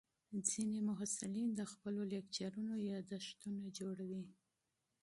ځینې محصلین د خپلو لیکچرونو یادښتونه جوړوي.